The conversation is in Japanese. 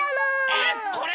えっこれ？